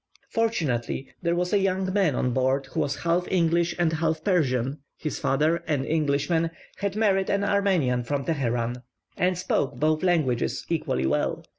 Fortunately there was a young man on board who was half English and half Persian (his father, an Englishman, had married an Armenian from Teheran), and spoke both languages equally well.